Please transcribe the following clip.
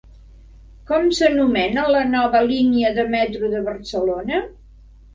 Com s'anomena la nova línia de metro de Barcelona?